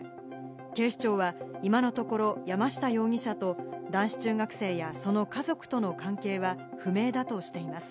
警視庁は今のところ、山下容疑者と男子中学生や、その家族との関係は不明だとしています。